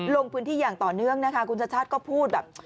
ลงพื้นที่อย่างต่อเนื่องนะคะคุณชาติชาติก็พูดแบบ